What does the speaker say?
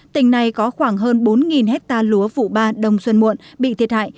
tỉnh này có khoảng hơn bốn hectare lúa vụ ba đông xuân muộn bị thiệt hại